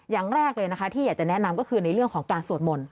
อย่างแรกเลยนะคะที่อยากจะแนะนำก็คือในเรื่องของการสวดมนต์